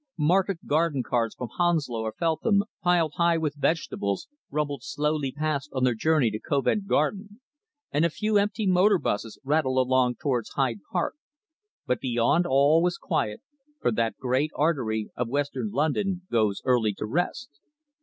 Market garden carts from Hounslow or Feltham, piled high with vegetables, rumbled slowly past on their journey to Covent Garden, and a few empty motor buses rattled along towards Hyde Park, but beyond all was quiet, for that great artery of Western London goes early to rest.